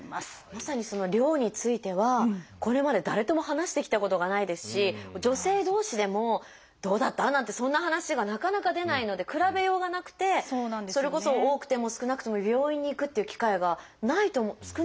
まさにその「量」についてはこれまで誰とも話してきたことがないですし女性同士でも「どうだった？」なんてそんな話がなかなか出ないので比べようがなくてそれこそ多くても少なくても病院に行くっていう機会がない少ないと思うんですよね。